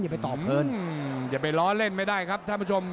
อย่าไปล้อเล่นไม่ได้ครับท่านผู้ชม